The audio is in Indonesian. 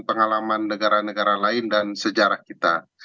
pengalaman negara negara lain dan sejarah kita